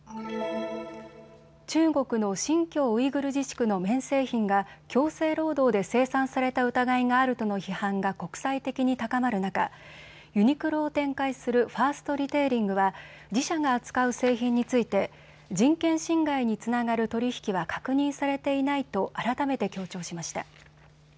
中国の新疆ウイグル自治区の綿製品が強制労働で生産された疑いがあるとの批判が国際的に高まる中、ユニクロを展開するファーストリテイリングは自社が扱う製品について人権侵害につながる取り引きは確認されていないと改めて強調しました。